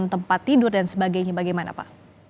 tempat tidur dan sebagainya bagaimana pak